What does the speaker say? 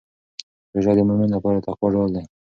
روژه د مؤمن لپاره د تقوا ډال دی.